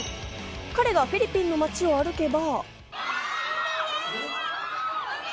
彼がフィリピンの街を歩けば。